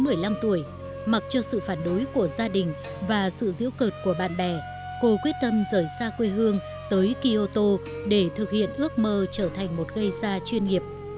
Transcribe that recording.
nhà soji chỉ mới một mươi năm tuổi mặc cho sự phản đối của gia đình và sự diễu cực của bạn bè cô quyết tâm rời xa quê hương tới kyoto để thực hiện ước mơ trở thành một gây xa chuyên nghiệp